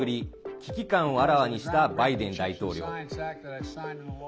危機感をあらわにしたバイデン大統領。